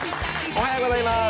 おはようございます。